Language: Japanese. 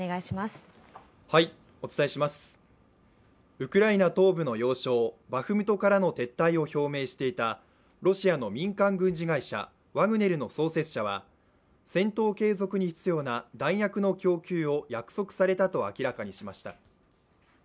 ウクライナ東部の要衝バフムトからの撤退を表明していたロシアの民間軍事会社ワグネルの創設者は、戦闘継続に必要な弾薬の供給を約束されたと明らかにしました。